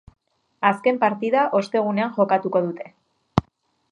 Azken partida ostegunean jokatuko dute.